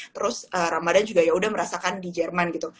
terus ramadhan juga yaudah merasakan di jerman gitu